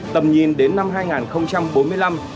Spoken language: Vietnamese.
tầm nhìn đến năm hai nghìn bốn mươi năm